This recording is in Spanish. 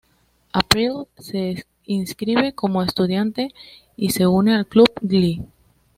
April se inscribe como estudiante y se une al club Glee.